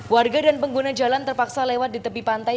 warga dan pengguna jalan terpaksa lewat di tepi pantai